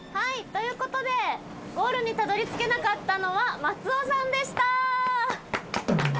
ということでゴールにたどりつけなかったのは松尾さんでした。